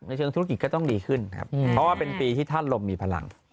เชิงธุรกิจก็ต้องดีขึ้นครับเพราะว่าเป็นปีที่ท่านลมมีพลัง